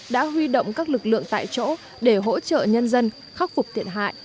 đã huy động các lực lượng tại chỗ để hỗ trợ nhân dân khắc phục thiệt hại